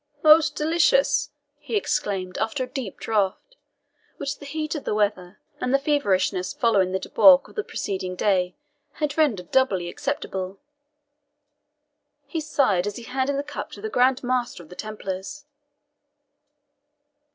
"Most delicious!" he exclaimed, after a deep draught, which the heat of the weather, and the feverishness following the debauch of the preceding day, had rendered doubly acceptable. He sighed as he handed the cup to the Grand Master of the Templars.